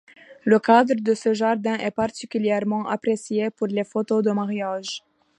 Le cadre de ce jardin est particulièrement apprécié pour les photos de mariage.